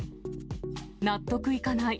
納得いかない。